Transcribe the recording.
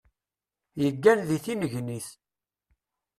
Yeggan d tinnegnit.